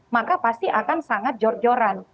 maka pasti akan sangat jor joran